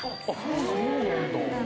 そうなんだ。